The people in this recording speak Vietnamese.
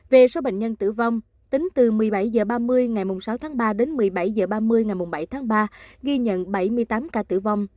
về số bệnh nhân tử vong tính từ một mươi bảy h ba mươi ngày sáu tháng ba đến một mươi bảy h ba mươi ngày bảy tháng ba ghi nhận bảy mươi tám ca tử vong